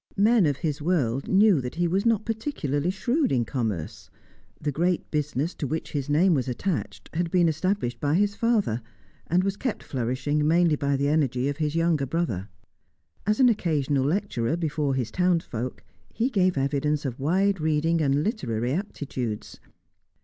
Men of his world knew that he was not particularly shrewd in commerce; the great business to which his name was attached had been established by his father, and was kept flourishing mainly by the energy of his younger brother. As an occasional lecturer before his townsfolk, he gave evidence of wide reading and literary aptitudes.